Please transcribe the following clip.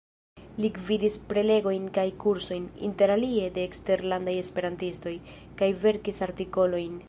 Li gvidis prelegojn kaj kursojn, interalie de eksterlandaj esperantistoj, kaj verkis artikolojn.